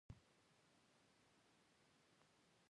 د غرونو په لمنو کې غارونو خولې خلاصې نیولې وې.